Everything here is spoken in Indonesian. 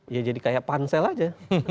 ya jadi kayak pansel aja